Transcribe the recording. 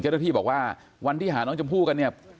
เจ้าหน้าที่บอกว่าวันที่หาน้องชมพู่กันเนี่ย